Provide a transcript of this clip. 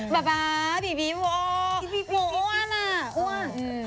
ป้าบีโหหมูอ้วนอ่ะ